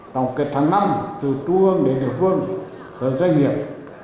tổng kết hàng năm từ trung ương đến địa phương từ doanh nghiệp